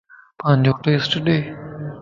پانجو ٽيسٽ ڏي